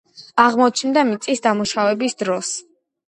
აღმოჩნდა მიწის დამუშავების დროს.